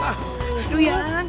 aduh ya bang